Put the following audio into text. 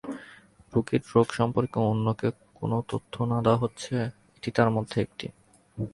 রুগীর রোগ সম্পর্কে অন্যকে কোনো তথ্য না-দেওয়া হচ্ছে তার মধ্যে একটি।